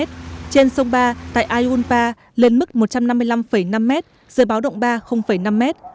trên sông ba tại ai un ba lên mức một trăm năm mươi năm năm m dưới báo động ba năm m